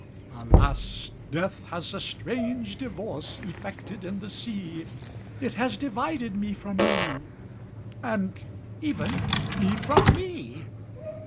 ''Alas! death has a strange divorce Effected in the sea. It has divided me from you, And even me from me!